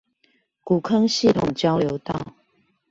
古坑系統交流道